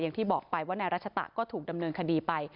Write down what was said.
อย่างที่บอกไปว่านายรัชตะก็ถูกดำเนินคดีไป